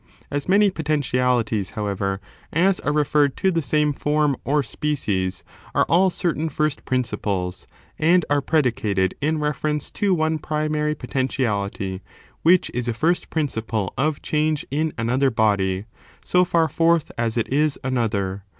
As many potentialities, however, as are referred to the same form or species are all certain first principles, and are pre dicated in reference to one primary potentiality,' which is a first principle of change in another body, so hr forth as it is another.